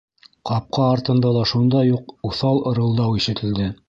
Ҡапҡа артында ла шундай уҡ уҫал ырылдау ишетелде.